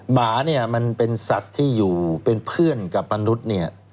หมาเนี่ยมันเป็นสัตว์ที่อยู่เป็นเพื่อนกับมนุษย์เนี่ย